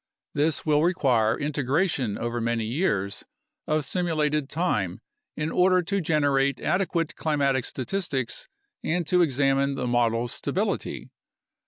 This will require integration over many years of simu lated time in order to generate adequate climatic statistics and to examine the models' stability.